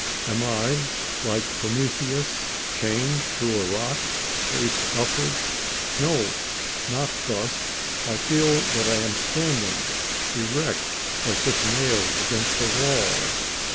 Am I, like Prometheus, chained to a rock face upward? No not thus; I feel that I am standing erect as if nailed against a wall!